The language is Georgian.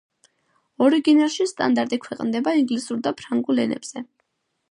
ორიგინალში სტანდარტი ქვეყნდება ინგლისურ და ფრანგულ ენებზე.